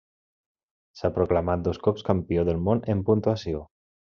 S'ha proclamat dos cops campió del món en puntuació.